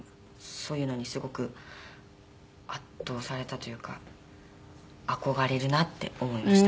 そういうのにすごく圧倒されたというか憧れるなって思いました。